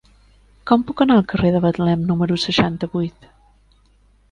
Com puc anar al carrer de Betlem número seixanta-vuit?